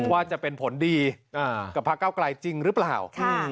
ว่าจะเป็นผลดีกับพระเก้าไกลจริงหรือเปล่า